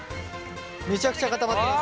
めちゃくちゃ固まってます。